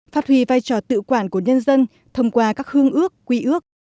phát huy vai trò tự quản của nhân dân thông qua các hương ước quy ước